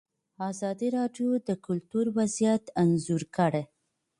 ازادي راډیو د کلتور وضعیت انځور کړی.